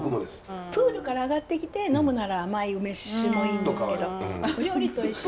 プールから上がってきて呑むなら甘い梅酒もいいんですけど。